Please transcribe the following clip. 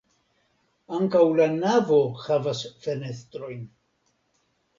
Ankaŭ la navo havas fenestrojn.